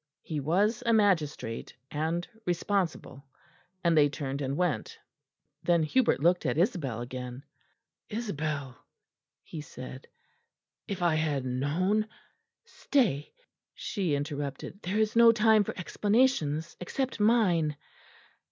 He was a magistrate, and responsible; and they turned and went. Then Hubert looked at Isabel again. "Isabel," he said, "if I had known " "Stay," she interrupted, "there is no time for explanations except mine.